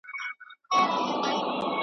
او سارنګ څه وايي `